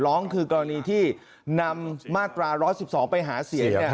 ร้องคือกรณีที่นำมาตรา๑๑๒ไปหาเสียง